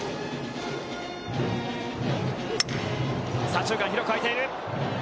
左中間が広くあいている。